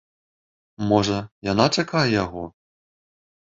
Можа, яна чакае яго?